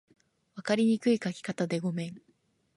分かりにくい書き方でごめん